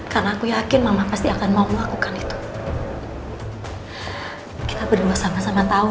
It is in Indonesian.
karena aku yakin mama pasti akan mau melakukan itu kita berdua sama sama tahu